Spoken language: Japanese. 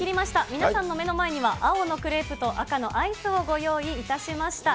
皆さんの目の前には、青のクレープと赤のアイスをご用意いたしました。